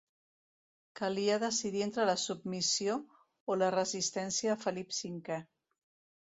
Calia decidir entre la submissió o la resistència a Felip cinquè.